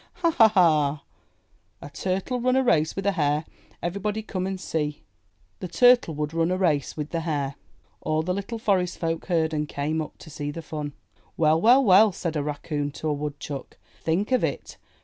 Hah! Hah! Hah! A Turtle run a race with a Hare. Everybody come and see! The Turtle would 299 MY BOOK HOUSE run a race with the Hare." All the little Forest Folk heard and came up to see the fun. ''Well, well, well,'* said a Raccoon to a Woodchuck. 'Think of it!